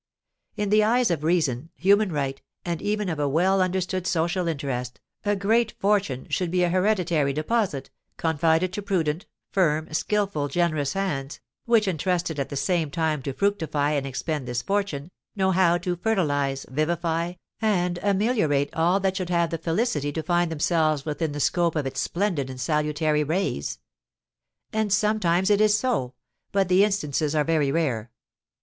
In the eyes of reason, human right, and even of a well understood social interest, a great fortune should be a hereditary deposit, confided to prudent, firm, skilful, generous hands, which, entrusted at the same time to fructify and expend this fortune, know how to fertilise, vivify, and ameliorate all that should have the felicity to find themselves within the scope of its splendid and salutary rays. And sometimes it is so, but the instances are very rare.